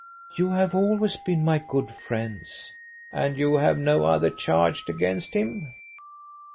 "You have always been my good friends." "And you have no other charge against him?"